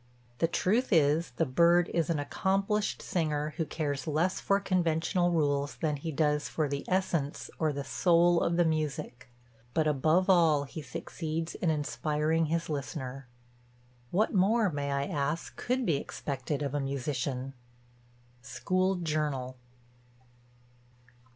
The truth is, the bird is an accomplished singer who cares less for conventional rules than he does for the essence, or the soul of the music; but above all he succeeds in inspiring his listener. What more, may I ask, could be expected of a musician? _School Journal.